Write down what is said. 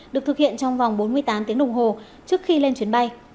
được thực hiện trong vòng bốn mươi tám tiếng đồng hồ trước khi lên chuyến bay